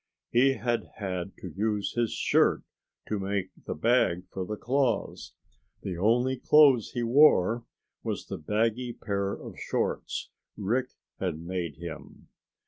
He had had to use his shirt to make the bag for the claws. The only clothes he wore was the baggy pair of shorts Rick had made him.